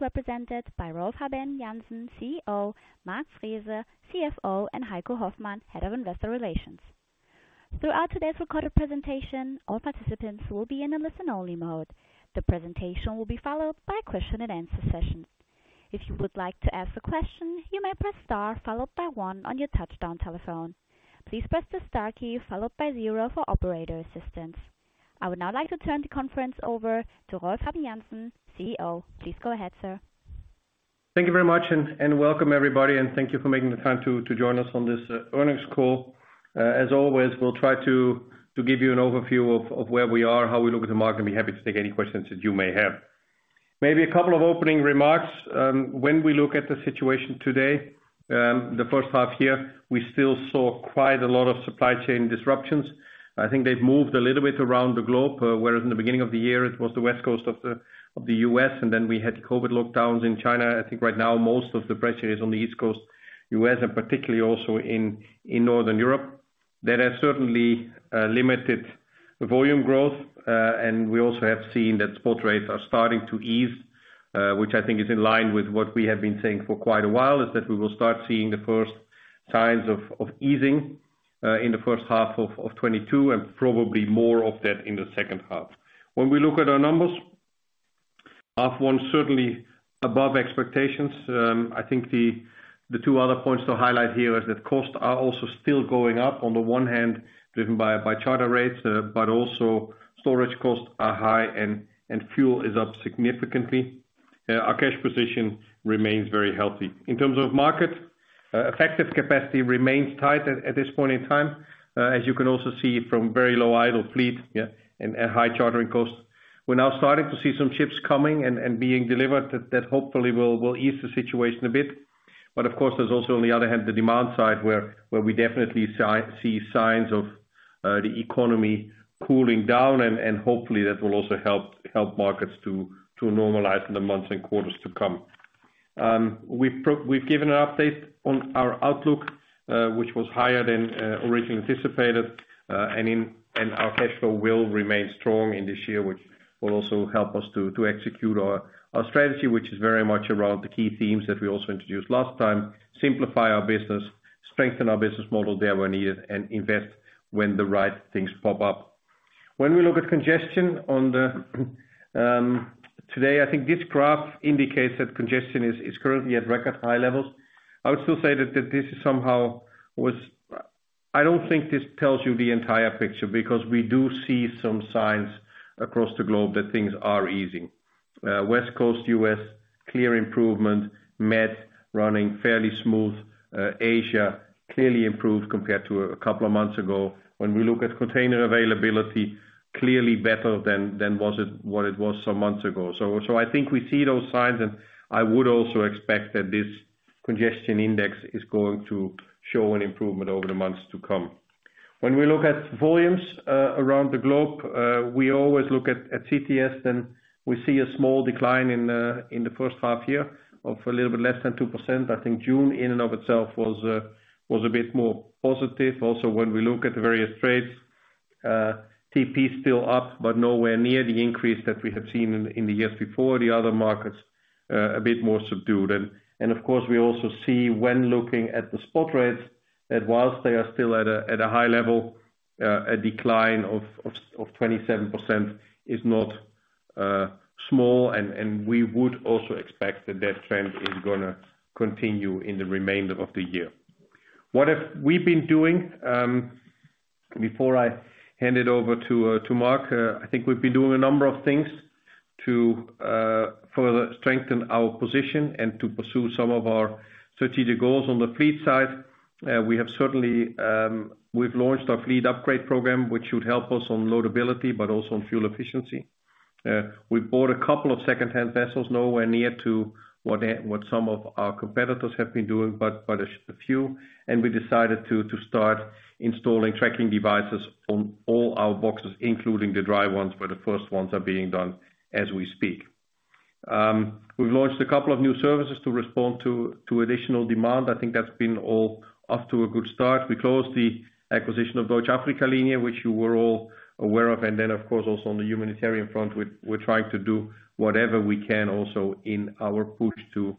is represented by Rolf Habben Jansen, CEO, Mark Frese, CFO, and Heiko Hoffmann, Head of Investor Relations. Throughout today's recorded presentation, all participants will be in a listen-only mode. The presentation will be followed by a question-and-answer session. If you would like to ask a question, you may press star followed by one on your touch-tone telephone. Please press the star key followed by zero for operator assistance. I would now like to turn the conference over to Rolf Habben Jansen, CEO. Please go ahead, sir. Thank you very much and welcome everybody, and thank you for making the time to join us on this earnings call. As always, we'll try to give you an overview of where we are, how we look at the market, and be happy to take any questions that you may have. Maybe a couple of opening remarks. When we look at the situation today, the first half here, we still saw quite a lot of supply chain disruptions. I think they've moved a little bit around the globe, whereas in the beginning of the year it was the West Coast of the U.S., and then we had COVID lockdowns in China. I think right now most of the pressure is on the East Coast U.S. and particularly also in Northern Europe. That has certainly limited volume growth. We also have seen that spot rates are starting to ease, which I think is in line with what we have been saying for quite a while, is that we will start seeing the first signs of easing in the first half of 2022 and probably more of that in the second half. When we look at our numbers, half one certainly above expectations. I think the two other points to highlight here is that costs are also still going up. On the one hand, driven by charter rates, but also storage costs are high and fuel is up significantly. Our cash position remains very healthy. In terms of market, effective capacity remains tight at this point in time, as you can also see from very low idle fleet and high chartering costs. We're now starting to see some ships coming and being delivered that hopefully will ease the situation a bit. But of course, there's also on the other hand, the demand side where we definitely see signs of the economy cooling down and hopefully that will also help markets to normalize in the months and quarters to come. We've given an update on our outlook, which was higher than originally anticipated. Our cash flow will remain strong in this year, which will also help us to execute our strategy, which is very much around the key themes that we also introduced last time. Simplify our business, strengthen our business model where needed, and invest when the right things pop up. When we look at congestion on the today, I think this graph indicates that congestion is currently at record high levels. I would still say that this doesn't tell you the entire picture because we do see some signs across the globe that things are easing. West Coast U.S., clear improvement. Med, running fairly smooth. Asia, clearly improved compared to a couple of months ago. When we look at container availability, clearly better than what it was some months ago. I think we see those signs, and I would also expect that this congestion index is going to show an improvement over the months to come. When we look at volumes around the globe, we always look at CTS, and we see a small decline in the first half year of a little bit less than 2%. I think June in and of itself was a bit more positive. Also, when we look at the various trades, TP's still up, but nowhere near the increase that we have seen in the years before. The other markets, a bit more subdued. Of course, we also see when looking at the spot rates that while they are still at a high level, a decline of 27% is not small and we would also expect that trend is gonna continue in the remainder of the year. What have we been doing? Before I hand it over to Mark, I think we've been doing a number of things to further strengthen our position and to pursue some of our strategic goals on the fleet side. We have certainly launched our Fleet Upgrade Program, which should help us on loadability but also on fuel efficiency. We bought a couple of secondhand vessels, nowhere near to what some of our competitors have been doing, but a few. We decided to start installing tracking devices on all our boxes, including the dry ones, where the first ones are being done as we speak. We've launched a couple of new services to respond to additional demand. I think that's off to a good start. We closed the acquisition of Deutsche Afrika-Linien, which you were all aware of. Of course, also on the humanitarian front, we're trying to do whatever we can also in our push to,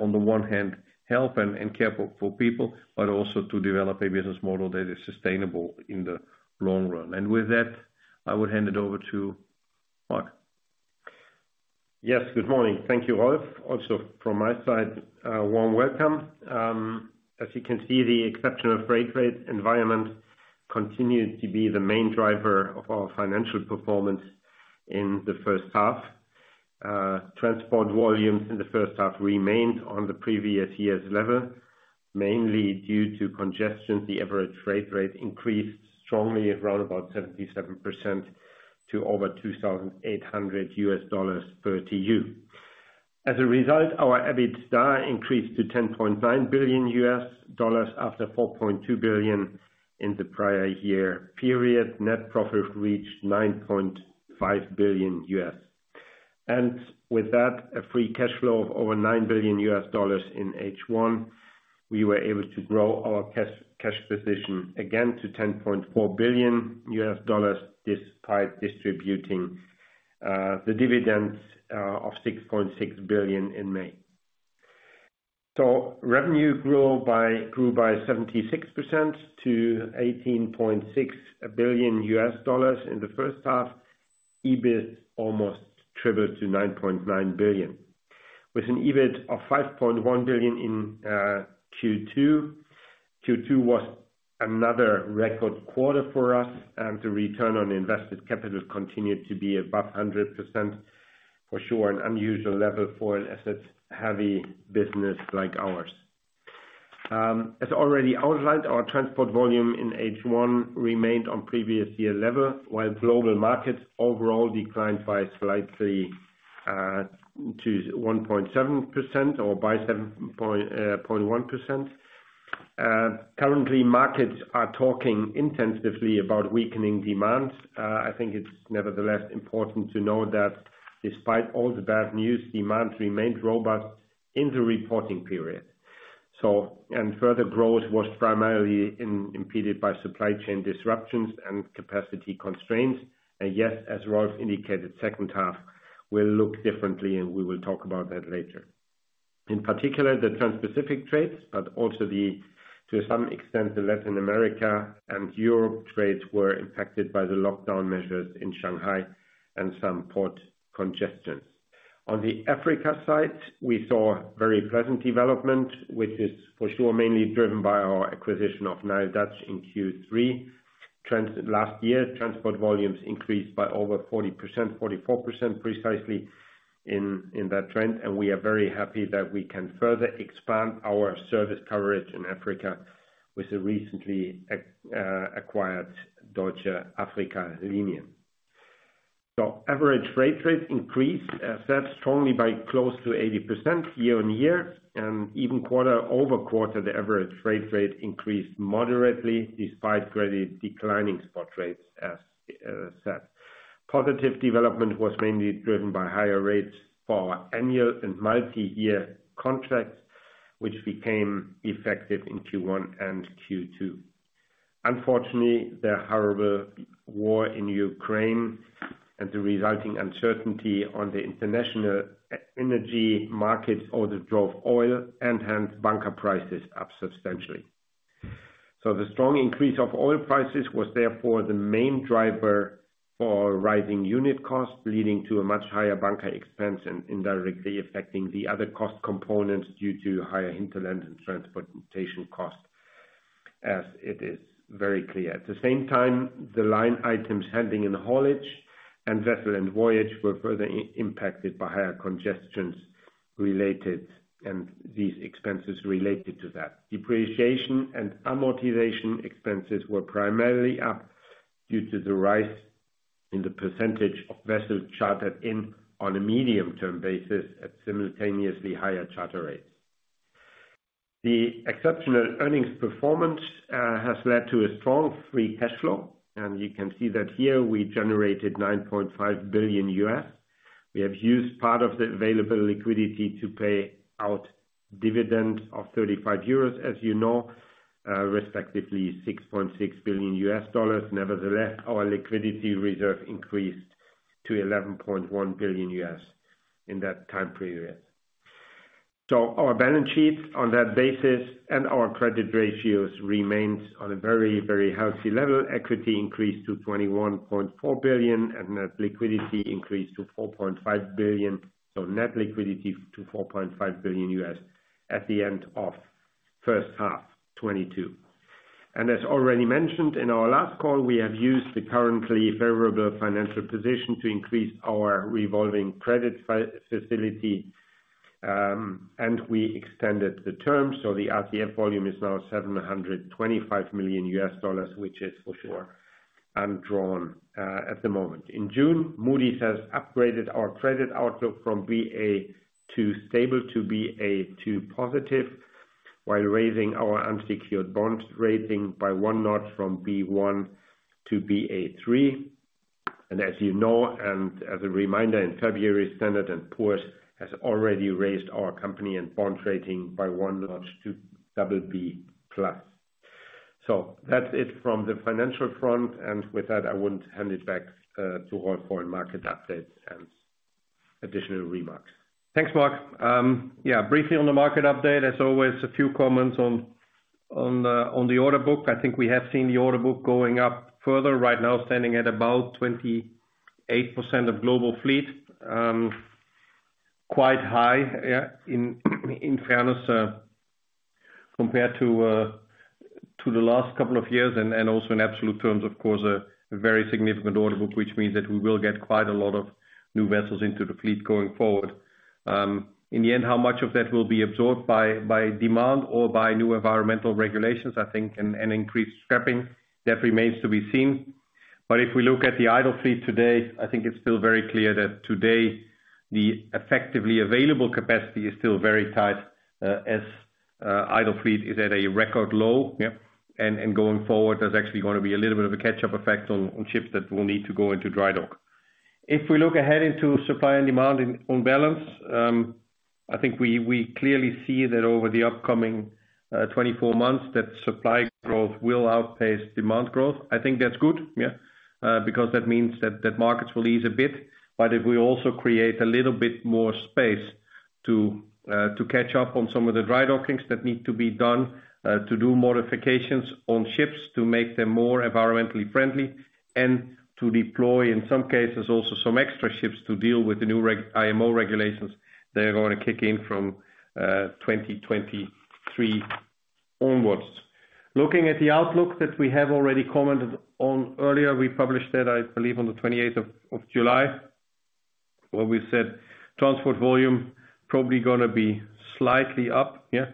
on the one hand, help and care for people, but also to develop a business model that is sustainable in the long run. With that, I would hand it over to Mark. Yes, good morning. Thank you, Rolf. Also from my side, a warm welcome. As you can see, the exceptional freight rate environment continued to be the main driver of our financial performance in the first half. Transport volumes in the first half remained on the previous year's level. Mainly due to congestion, the average freight rate increased strongly at roundabout 77% to over $2,800 per TEU. As a result, our EBITDA increased to $10.9 billion after $4.2 billion in the prior-year period. Net profit reached $9.5 billion. With that, a free cash flow of over $9 billion in H1. We were able to grow our cash position again to $10.4 billion despite distributing the dividends of $6.6 billion in May. Revenue grew by 76% to $18.6 billion in the first half. EBIT almost tripled to $9.9 billion with an EBIT of $5.1 billion in Q2. Q2 was another record quarter for us, and the return on invested capital continued to be above 100%. For sure, an unusual level for an asset-heavy business like ours. As already outlined, our transport volume in H1 remained on previous year level, while global markets overall declined by slightly to 1.7% or by 7.1%. Currently, markets are talking intensively about weakening demand. I think it's nevertheless important to know that despite all the bad news, demand remained robust in the reporting period. And further growth was primarily impeded by supply chain disruptions and capacity constraints. Yes, as Rolf indicated, second half will look differently, and we will talk about that later. In particular, the Transpacific trades, but also to some extent, the Latin America and Europe trades were impacted by the lockdown measures in Shanghai and some port congestion. On the Africa side, we saw very pleasant development, which is for sure mainly driven by our acquisition of NileDutch in Q3. Last year, transport volumes increased by over 40%, 44% precisely in that trend, and we are very happy that we can further expand our service coverage in Africa with the recently acquired Deutsche Afrika-Linien. Average freight rate increased, as said, strongly by close to 80% year-over-year, and even quarter-over-quarter, the average freight rate increased moderately despite greatly declining spot rates, as said. Positive development was mainly driven by higher rates for annual and multi-year contracts, which became effective in Q1 and Q2. Unfortunately, the horrible war in Ukraine and the resulting uncertainty on the international energy markets also drove oil and hence bunker prices up substantially. The strong increase of oil prices was therefore the main driver for rising unit costs, leading to a much higher bunker expense and indirectly affecting the other cost components due to higher hinterland and transportation costs, as it is very clear. At the same time, the line items handling and haulage and vessel and voyage were further impacted by higher congestions related, and these expenses related to that. Depreciation and amortization expenses were primarily up due to the rise in the percentage of vessels chartered in on a medium-term basis at simultaneously higher charter rates. The exceptional earnings performance has led to a strong free cash flow, and you can see that here we generated $9.5 billion. We have used part of the available liquidity to pay out dividends of 35 euros, as you know, respectively $6.6 billion. Nevertheless, our liquidity reserve increased to $11.1 billion in that time period. Our balance sheet on that basis and our credit ratios remains on a very, very healthy level. Equity increased to $21.4 billion, and net liquidity increased to $4.5 billion. Net liquidity to $4.5 billion at the end of first half 2022. As already mentioned in our last call, we have used the currently favorable financial position to increase our revolving credit facility, and we extended the terms, so the RCF volume is now $725 million, which is for sure undrawn at the moment. In June, Moody's has upgraded our credit outlook from Ba2 stable to Ba2 positive while raising our unsecured bonds rating by one notch from B1 to Ba3. As you know, and as a reminder, in February, Standard & Poor's has already raised our company and bond rating by one notch to BB+. That's it from the financial front, and with that, I would hand it back to Rolf for market update and additional remarks. Thanks, Mark. Briefly on the market update, as always, a few comments on the order book. I think we have seen the order book going up further right now, standing at about 28% of global fleet. Quite high, in fairness, compared to the last couple of years and also in absolute terms, of course, a very significant order book, which means that we will get quite a lot of new vessels into the fleet going forward. In the end, how much of that will be absorbed by demand or by new environmental regulations, I think, and increased scrapping, that remains to be seen. If we look at the idle fleet today, I think it's still very clear that today, the effectively available capacity is still very tight, as idle fleet is at a record low. Going forward, there's actually gonna be a little bit of a catch-up effect on ships that will need to go into dry dock. If we look ahead into supply and demand on balance, I think we clearly see that over the upcoming 24 months, that supply growth will outpace demand growth. I think that's good, because that means that markets will ease a bit. It will also create a little bit more space to catch up on some of the dry dockings that need to be done to do modifications on ships to make them more environmentally friendly and to deploy, in some cases, also some extra ships to deal with the new IMO regulations that are gonna kick in from 2023 onwards. Looking at the outlook that we have already commented on earlier, we published that, I believe, on the 28th of July, where we said transport volume probably gonna be slightly up, yeah.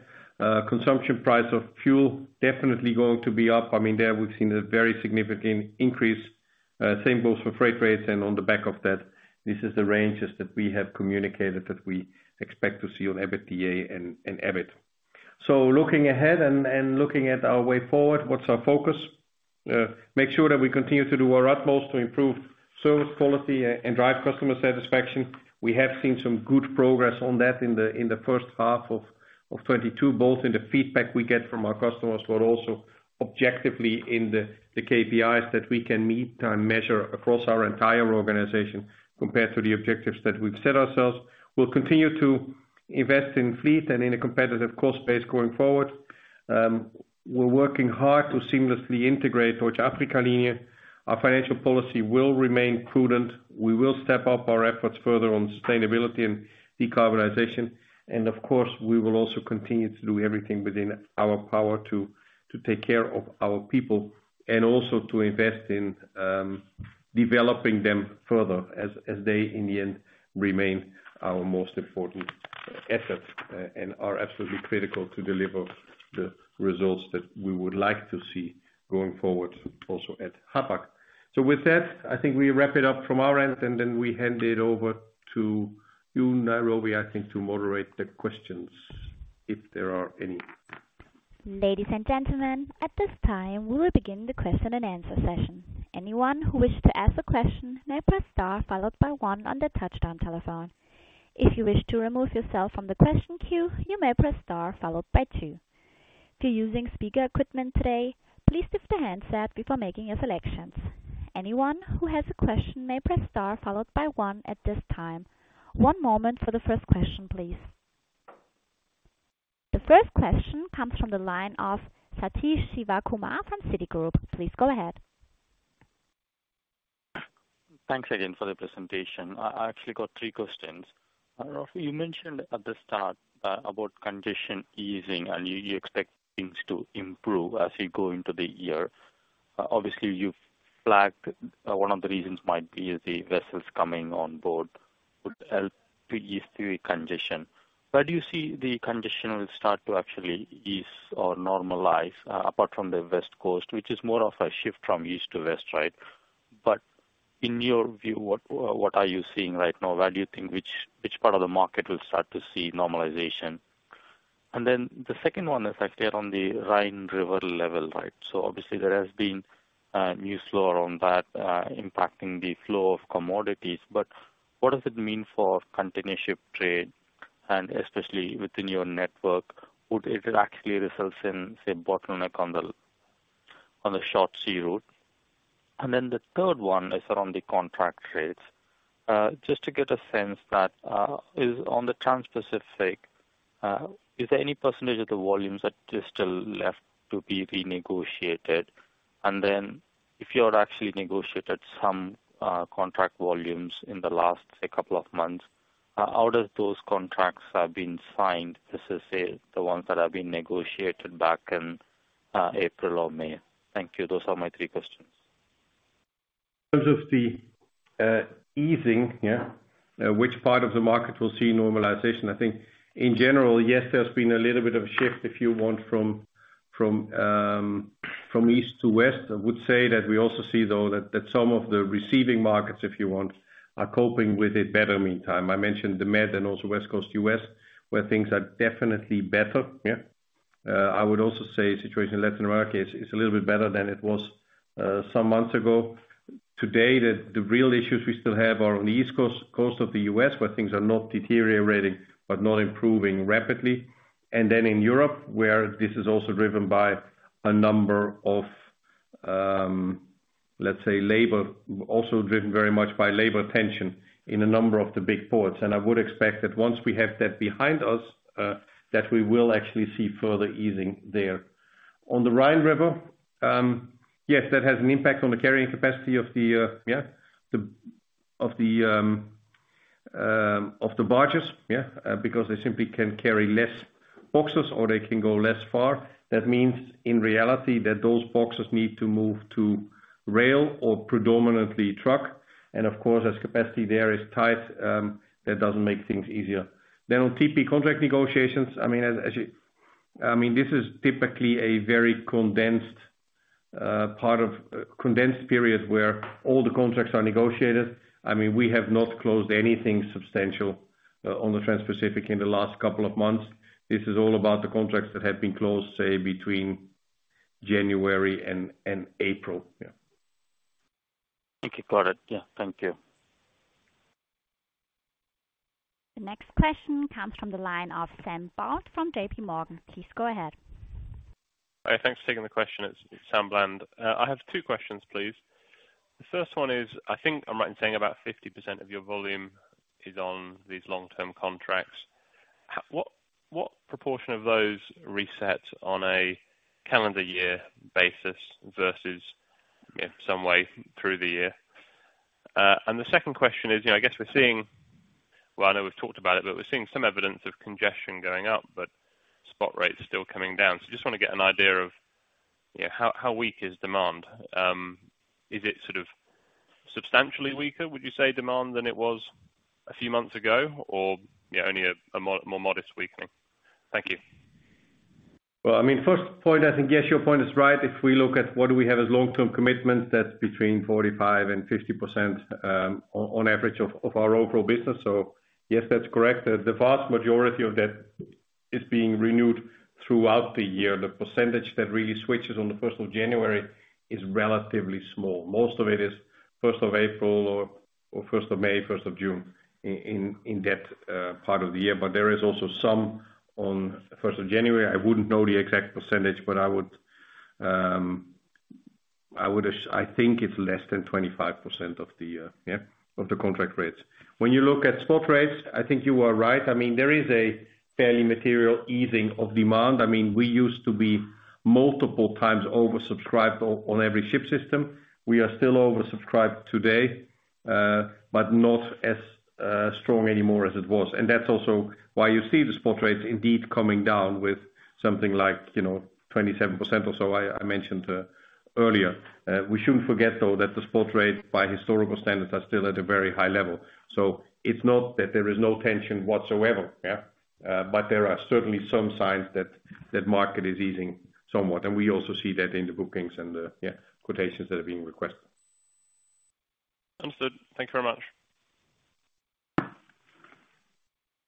Consumption price of fuel definitely going to be up. I mean, there we've seen a very significant increase, same goes for freight rates. On the back of that, this is the ranges that we have communicated that we expect to see on EBITDA and EBIT. Looking ahead and looking at our way forward, what's our focus? Make sure that we continue to do our utmost to improve service quality and drive customer satisfaction. We have seen some good progress on that in the first half of 2022, both in the feedback we get from our customers, but also objectively in the KPIs that we can meet and measure across our entire organization compared to the objectives that we've set ourselves. We'll continue to invest in fleet and in a competitive cost base going forward. We're working hard to seamlessly integrate Deutsche Afrika-Linien. Our financial policy will remain prudent. We will step up our efforts further on sustainability and decarbonization. Of course, we will also continue to do everything within our power to take care of our people and also to invest in developing them further as they, in the end, remain our most important asset, and are absolutely critical to deliver the results that we would like to see going forward also at Hapag. With that, I think we wrap it up from our end, and then we hand it over to you, Jiruna, I think, to moderate the questions, if there are any. Ladies and gentlemen, at this time, we will begin the question and answer session. Anyone who wishes to ask a question may press star followed by one on their touch-tone telephone. If you wish to remove yourself from the question queue, you may press star followed by two. If you're using speaker equipment today, please lift the handset before making your selections. Anyone who has a question may press star followed by one at this time. One moment for the first question, please. The first question comes from the line of Sathish Sivakumar from Citigroup. Please go ahead. Thanks again for the presentation. I actually got three questions. Rolf, you mentioned at the start about congestion easing and you expect things to improve as we go into the year. Obviously, you flagged one of the reasons might be the vessels coming on board would help to ease the congestion. Where do you see the congestion will start to actually ease or normalize, apart from the West Coast, which is more of a shift from east to west, right? In your view, what are you seeing right now? Where do you think which part of the market will start to see normalization? Then the second one is actually on the Rhine River level, right? Obviously there has been news flow around that, impacting the flow of commodities. What does it mean for container ship trade, and especially within your network? Would it actually result in, say, bottleneck on the short sea route? Then the third one is around the contract rates. Just to get a sense that on the Transpacific is there any percentage of the volumes that are still left to be renegotiated? Then if you had actually negotiated some contract volumes in the last, say, couple of months, how does those contracts have been signed versus, say, the ones that have been negotiated back in April or May? Thank you. Those are my three questions. In terms of the easing, which part of the market will see normalization? I think in general, yes, there's been a little bit of a shift, if you want, from east to west. I would say that we also see, though, that some of the receiving markets, if you want, are coping with it better in the meantime. I mentioned the Med and also West Coast U.S., where things are definitely better. I would also say situation in Latin America is a little bit better than it was some months ago. Today, the real issues we still have are on the East Coast of the U.S., where things are not deteriorating but not improving rapidly. Then in Europe, where this is also driven by a number of, let's say labor, also driven very much by labor tension in a number of the big ports. I would expect that once we have that behind us, that we will actually see further easing there. On the Rhine River, yes, that has an impact on the carrying capacity of the barges, because they simply can carry less boxes or they can go less far. That means, in reality, that those boxes need to move to rail or predominantly truck. Of course, as capacity there is tight, that doesn't make things easier. On TP contract negotiations, I mean, this is typically a very condensed part of condensed period where all the contracts are negotiated. I mean, we have not closed anything substantial on the Transpacific in the last couple of months. This is all about the contracts that have been closed, say, between January and April. Yeah. Thank you. Got it. Yeah. Thank you. The next question comes from the line of Sam Bland from J.P. Morgan. Please go ahead. Hi. Thanks for taking the question. It's Sam Bland. I have two questions, please. The first one is, I think I'm right in saying about 50% of your volume is on these long-term contracts. What proportion of those reset on a calendar year basis versus, you know, some way through the year? And the second question is, you know, I guess we're seeing. Well, I know we've talked about it, but we're seeing some evidence of congestion going up, but spot rates still coming down. Just wanna get an idea of, you know, how weak is demand. Is it sort of substantially weaker, would you say, demand than it was a few months ago or, you know, only a more modest weakening? Thank you. Well, I mean, first point, I think, yes, your point is right. If we look at what do we have as long-term commitments, that's between 45% and 50%, on average of our overall business. Yes, that's correct. The vast majority of that is being renewed throughout the year. The percentage that really switches on the first of January is relatively small. Most of it is first of April or first of May, first of June in that part of the year. There is also some on first of January. I wouldn't know the exact percentage, but I would, I think it's less than 25% of the contract rates. When you look at spot rates, I think you are right. I mean, there is a fairly material easing of demand. I mean, we used to be multiple times oversubscribed on every ship system. We are still oversubscribed today, but not as strong anymore as it was. That's also why you see the spot rates indeed coming down with something like, you know, 27% or so I mentioned earlier. We shouldn't forget though that the spot rates by historical standards are still at a very high level. It's not that there is no tension whatsoever. There are certainly some signs that market is easing somewhat. We also see that in the bookings and the quotations that are being requested. Understood. Thank you very much.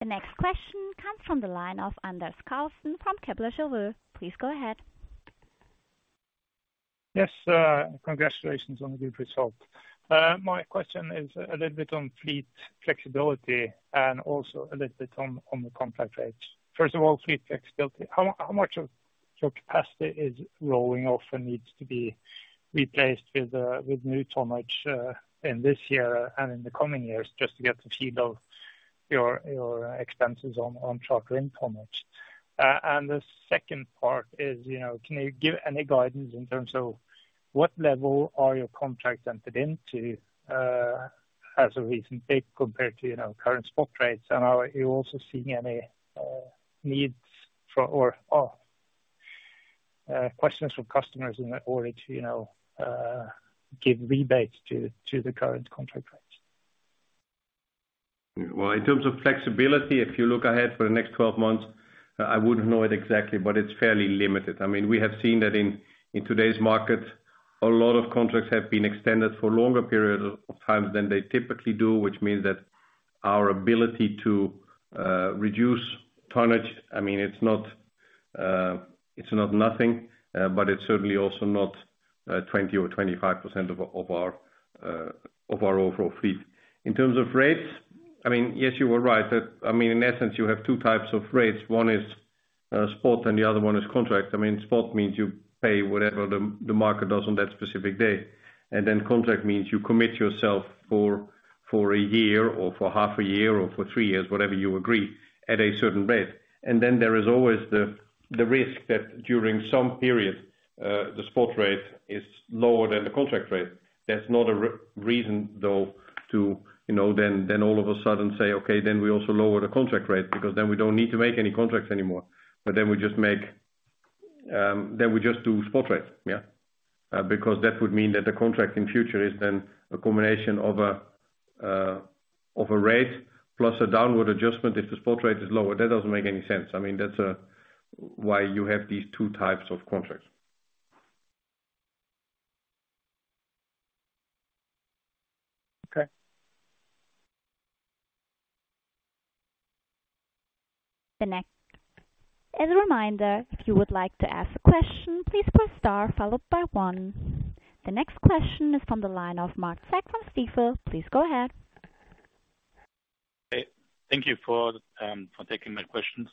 The next question comes from the line of Anders Karlsson from Kepler Cheuvreux. Please go ahead. Yes. Congratulations on the good result. My question is a little bit on fleet flexibility and also a little bit on the contract rates. First of all, fleet flexibility. How much of your capacity is rolling off and needs to be replaced with new tonnage in this year and in the coming years just to get a feel of your expenses on charter in tonnage? The second part is, you know, can you give any guidance in terms of what level are your contracts entered into as of a recent date compared to, you know, current spot rates? And are you also seeing any needs for or questions from customers in order to, you know, give rebates to the current contract rates? Well, in terms of flexibility, if you look ahead for the next 12 months, I wouldn't know it exactly, but it's fairly limited. I mean, we have seen that in today's market, a lot of contracts have been extended for longer period of time than they typically do, which means that our ability to reduce tonnage, I mean, it's not nothing, but it's certainly also not 20% or 25% of our overall fleet. In terms of rates, I mean, yes, you are right that, I mean, in essence, you have two types of rates. One is spot and the other one is contract. I mean, spot means you pay whatever the market does on that specific day. Then contract means you commit yourself for a year or for half a year or for three years, whatever you agree at a certain rate. Then there is always the risk that during some period the spot rate is lower than the contract rate. That's not a reason though to, you know, then all of a sudden say, "Okay, then we also lower the contract rate," because then we don't need to make any contracts anymore. Then we just do spot rates. Yeah. Because that would mean that the contract in future is then a combination of a rate plus a downward adjustment if the spot rate is lower. That doesn't make any sense. I mean, that's why you have these two types of contracts. Okay. As a reminder, if you would like to ask a question, please press star followed by one. The next question is from the line of Mark Kappel from Stifel. Please go ahead. Thank you for taking my questions.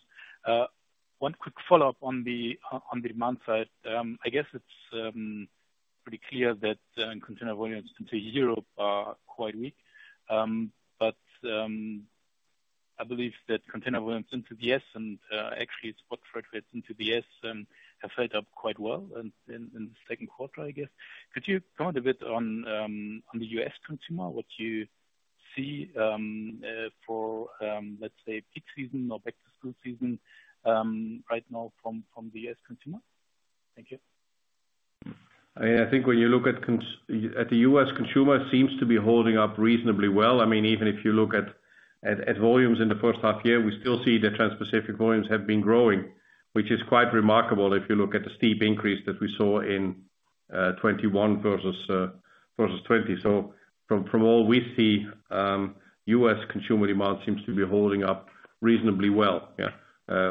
One quick follow-up on the demand side. I guess it's pretty clear that container volumes into Europe are quite weak. I believe that container volumes into the U.S. and actually spot freight rates into the U.S. have held up quite well in the second quarter, I guess. Could you comment a bit on the U.S. consumer, what you see for let's say peak season or back-to-school season right now from the U.S. consumer? Thank you. I think when you look at the U.S. consumer seems to be holding up reasonably well. I mean, even if you look at volumes in the first half year, we still see that Transpacific volumes have been growing, which is quite remarkable if you look at the steep increase that we saw in 2021 versus 2020. From all we see, U.S. consumer demand seems to be holding up reasonably well. Yeah.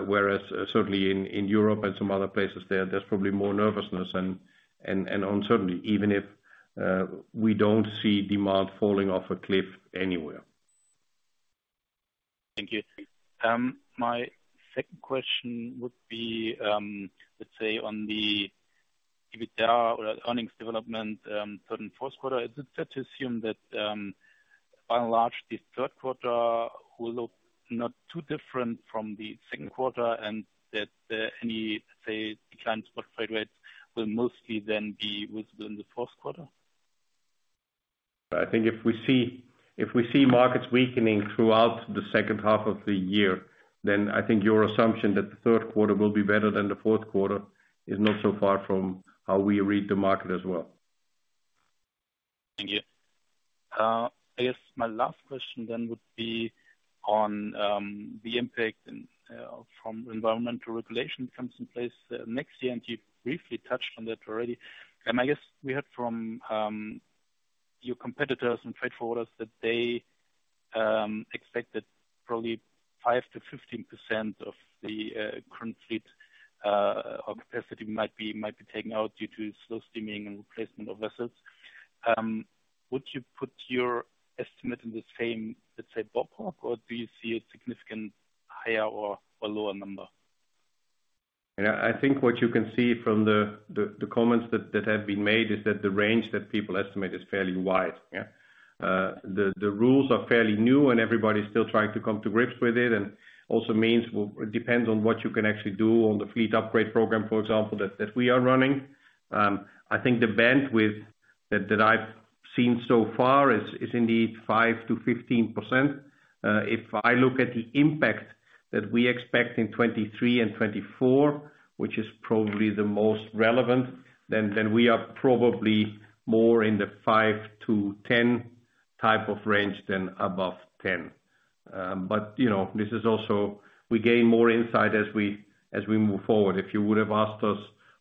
Whereas certainly in Europe and some other places there's probably more nervousness and uncertainty, even if we don't see demand falling off a cliff anywhere. Thank you. My second question would be, let's say on the EBITDA or earnings development, third and fourth quarter. Is it fair to assume that, by and large, the third quarter will look not too different from the second quarter, and that any, say, decline spot freight rates will mostly then be within the fourth quarter? I think if we see markets weakening throughout the second half of the year, then I think your assumption that the third quarter will be better than the fourth quarter is not so far from how we read the market as well. Thank you. I guess my last question then would be on the impact from environmental regulation comes in place next year, and you briefly touched on it already. I guess we heard from your competitors and freight forwarders that they expect that probably 5%-15% of the current fleet of capacity might be taken out due to slow steaming and replacement of vessels. Would you put your estimate in the same, let's say, ballpark, or do you see a significant higher or lower number? Yeah, I think what you can see from the comments that have been made is that the range that people estimate is fairly wide, yeah. The rules are fairly new and everybody is still trying to come to grips with it. It depends on what you can actually do on the Fleet Upgrade Program, for example, that we are running. I think the bandwidth that I've seen so far is indeed 5%-15%. If I look at the impact that we expect in 2023 and 2024, which is probably the most relevant, then we are probably more in the 5%-10% type of range than above 10%. You know, this is also we gain more insight as we move forward. If you would have asked us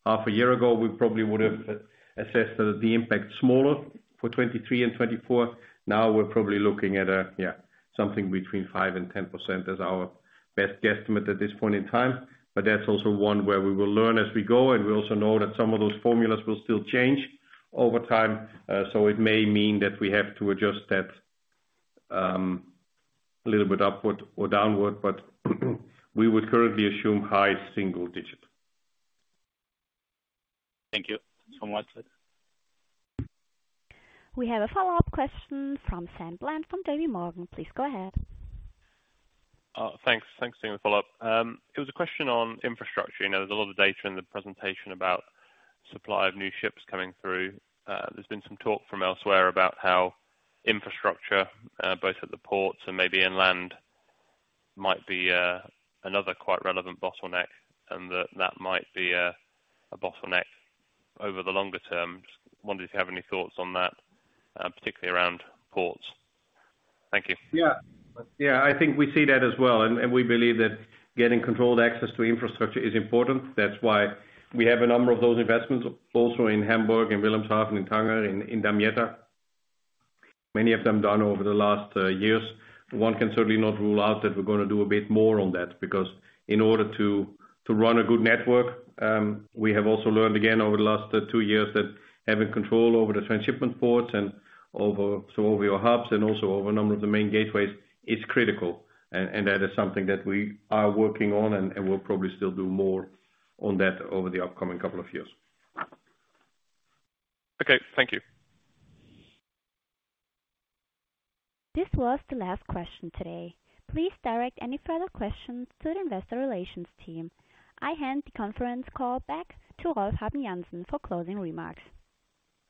half a year ago, we probably would have assessed the impact smaller for 2023 and 2024. Now we're probably looking at, yeah, something between 5% and 10% as our best guesstimate at this point in time, but that's also one where we will learn as we go. We also know that some of those formulas will still change over time. So it may mean that we have to adjust that, a little bit upward or downward, but we would currently assume high single digit. Thank you so much. We have a follow-up question from Sam Bland from J.P. Morgan. Please go ahead. Thanks. Thanks for the follow-up. It was a question on infrastructure. You know, there's a lot of data in the presentation about supply of new ships coming through. There's been some talk from elsewhere about how infrastructure, both at the ports and maybe inland might be another quite relevant bottleneck, and that might be a bottleneck over the longer term. Just wondered if you have any thoughts on that, particularly around ports. Thank you. Yeah. Yeah, I think we see that as well, and we believe that getting controlled access to infrastructure is important. That's why we have a number of those investments also in Hamburg, in Wilhelmshaven, in Tangier, in Damietta. Many of them done over the last years. One can certainly not rule out that we're gonna do a bit more on that, because in order to run a good network, we have also learned again over the last two years that having control over the transshipment ports and over some of your hubs and also over a number of the main gateways is critical. That is something that we are working on, and we'll probably still do more on that over the upcoming couple of years. Okay, thank you. This was the last question today. Please direct any further questions to the investor relations team. I hand the conference call back to Rolf Habben Jansen for closing remarks.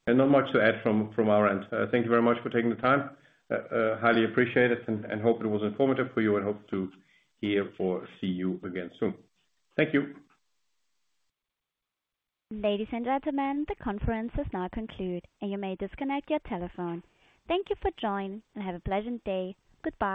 Not much to add from our end. Thank you very much for taking the time. Highly appreciate it and hope it was informative for you and hope to hear or see you again soon. Thank you. Ladies and gentlemen, the conference is now concluded and you may disconnect your telephone. Thank you for joining and have a pleasant day. Goodbye.